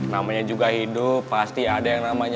namanya juga hidup pasti ada yang namanya